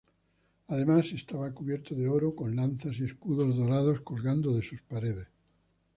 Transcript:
Además estaba cubierto de oro, con lanzas y escudos dorados colgando de sus paredes.